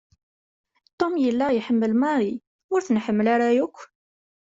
Tom yella iḥemmel Marie ur t-nḥemmel ara yakk.